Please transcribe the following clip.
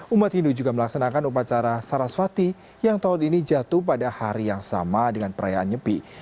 umat hindu juga melaksanakan upacara saraswati yang tahun ini jatuh pada hari yang sama dengan perayaan nyepi